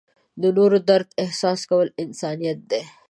د نورو درد احساس کول انسانیت دی.